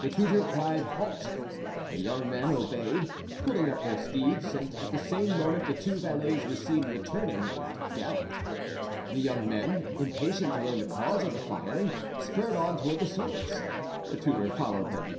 The tutor cried halt; the young men obeyed, pulling up their steeds, and at the same moment the two valets were seen returning at a gallop. The young men, impatient to learn the cause of the firing, spurred on toward the servants. The tutor followed them.